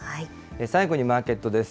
最後にマーケットです。